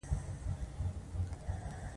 نو یوه بله ورځ ځنډول به کوم زیان ونه لري